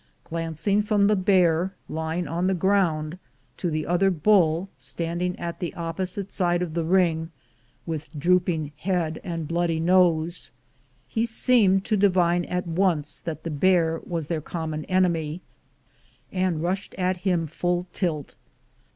Glancing from the bear lying on the ground to the other bull standing at the opposite side of the ring, with drooping head and bloody nose, he seemed to divine at once that the bear was their common enemy, and rushed at him full tilt.